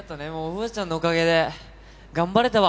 楓空ちゃんのおかげで頑張れたわ。